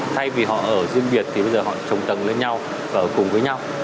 thay vì họ ở riêng biệt thì bây giờ họ trồng tầng lên nhau và ở cùng với nhau